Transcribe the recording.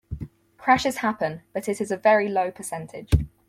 Crashes happen but it is a very low percentage.